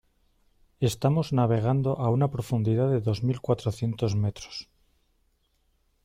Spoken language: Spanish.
estamos navegando a una profundidad de dos mil cuatrocientos metros.